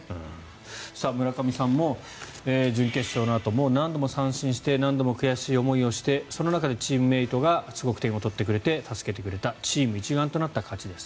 村上さんも準決勝のあと何度も三振して何度も悔しい思いをしてその中でチームメートがすごく点を取ってくれて助けてくれたチーム一丸となった勝ちです。